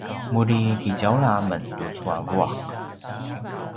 muri kitjaula amen tucu a vuaq